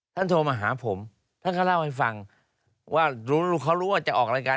โทรมาหาผมท่านก็เล่าให้ฟังว่าเขารู้ว่าจะออกรายการ